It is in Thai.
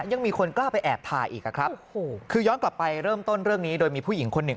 ยังมีคนกล้าไปแอบถ่ายอีกอะครับโอ้โหคือย้อนกลับไปเริ่มต้นเรื่องนี้โดยมีผู้หญิงคนหนึ่ง